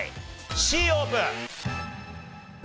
Ｃオープン！